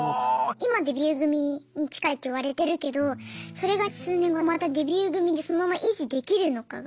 今デビュー組に近いって言われてるけどそれが数年後またデビュー組でそのまま維持できるのかが。